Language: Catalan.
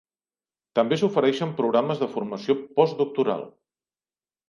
També s'ofereixen programes de formació postdoctoral.